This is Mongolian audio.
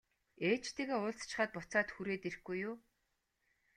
Ээжтэйгээ уулзчихаад буцаад хүрээд ирэхгүй юу?